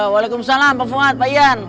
waalaikumsalam pak fuad pak ian